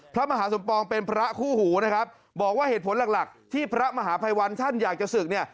พระมหาสมปองเป็นพระคู่หูนะครับบอกว่าเหตุผลหลักหลักที่พระมหาภัยวันท่านอยากจะศึกเนี่ย